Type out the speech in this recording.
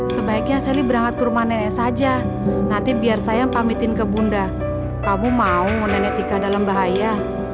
sebaiknya sally berangkat ke rumah nenek saja nanti biar saya pamitin ke bunda kamu mau nenek tika dalam bahaya